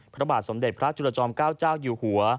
พระบาทสมเด็จพระจุลจอมเก้าเจ้าอยู่หัว